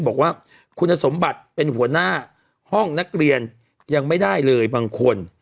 บอกว่าคุณสมบัติเป็นหัวหน้าห้องนักเรียนยังไม่ได้เลยบางคน